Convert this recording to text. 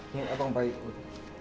ini abang baik bud